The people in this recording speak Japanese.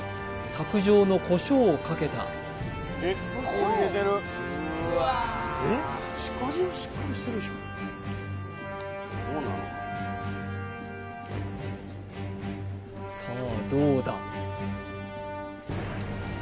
卓上のコショウをかけたさあどうだ？